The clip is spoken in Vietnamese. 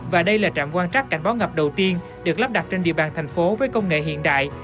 và đây là trạm quan trắc cảnh báo ngập đầu tiên được lắp đặt trên địa bàn thành phố với công nghệ hiện đại